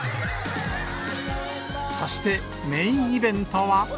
そしてメインイベントは。